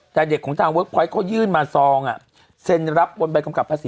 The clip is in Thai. แต่เด็กของทางเวิร์คพอยต์เขายื่นมาซองเซ็นรับบนใบกำกับภาษี